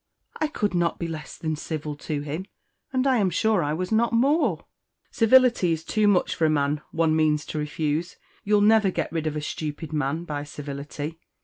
"I could not be less than civil to him, and I am sure I was not more." "Civility is too much for a man one means to refuse. You'll never get rid of a stupid man by civility.